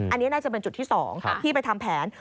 อันนี้น่าจะเป็นจุดที่๒ที่ไปทำแผน